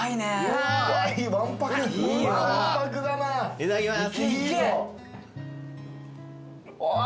いただきます。